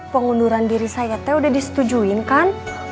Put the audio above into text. pengunduran diri saya teh udah disetujuin kan